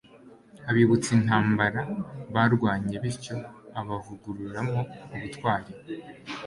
abibutsa intambara barwanye, bityo abavugururamo ubutwari